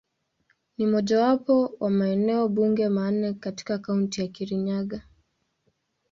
Ni mojawapo wa maeneo bunge manne katika Kaunti ya Kirinyaga.